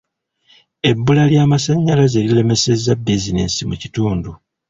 Ebbula ly'amasannyalaze liremesezza bizinensi mu kitundu.